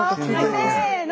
せの！